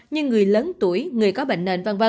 như người lớn tuổi người có bệnh